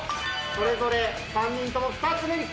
それぞれ３人とも２つ目に来た。